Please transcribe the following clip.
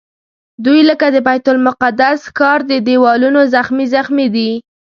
دوی لکه د بیت المقدس ښار د دیوالونو زخمي زخمي دي.